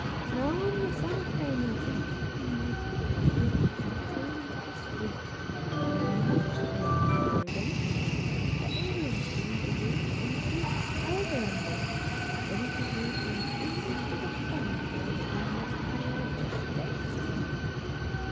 A harmless, unoffending creature, whom one couldn't have the heart to turn into the street, though much behind with her rent ; but always willing to work at anything, however 'umble — ready to work her fingers to the bone rather than not pay her just debts.